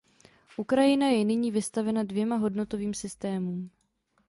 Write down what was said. Ukrajina je nyní vystavena dvěma hodnotovým systémům.